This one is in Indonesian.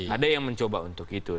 ada yang mencoba untuk itu